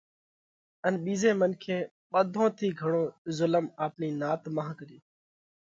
ان ٻِيزي منکي ٻڌون ٿِي گھڻو زُلم آپڻِي نات مانھ ڪريوھ،